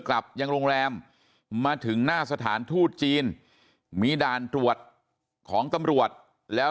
กลับยังโรงแรมมาถึงหน้าสถานทูตจีนมีด่านตรวจของตำรวจแล้ว